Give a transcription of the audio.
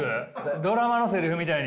ドラマのセリフみたいに？